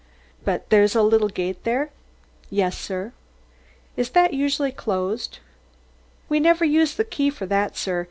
"But there's a little gate there?" "Yes, sir." "Is that usually closed?" "We never use the key for that, sir.